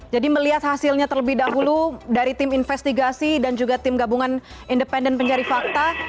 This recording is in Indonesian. jadi melihat hasilnya terlebih dahulu dari tim investigasi dan juga tim gabungan independen pencari fakta